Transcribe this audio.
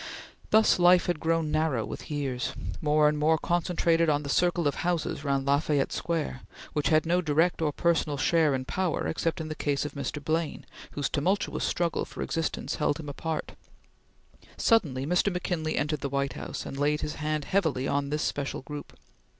Thus life had grown narrow with years, more and more concentrated on the circle of houses round La Fayette Square, which had no direct or personal share in power except in the case of Mr. Blaine whose tumultuous struggle for existence held him apart. Suddenly Mr. McKinley entered the White House and laid his hand heavily on this special group.